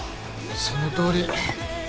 そのとおり。